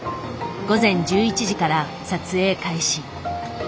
午前１１時から撮影開始。